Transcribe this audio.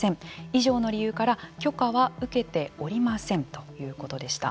以上の理由から許可は受けておりませんということでした。